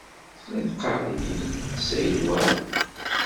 Tella teɣɣar-iyi-d Saɛid Waɛli.